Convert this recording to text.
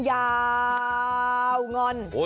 ยาวงอน